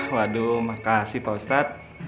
waduh makasih pak ustadz